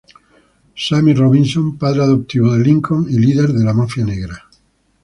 Sammy Robinson: Padre adoptivo de Lincoln y líder de la mafia negra.